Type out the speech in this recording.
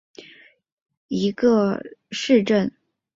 克鲁姆赫尔恩是德国下萨克森州的一个市镇。